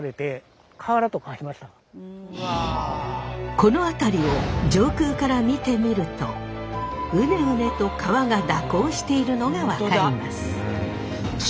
この辺りを上空から見てみるとウネウネと川が蛇行しているのが分かります。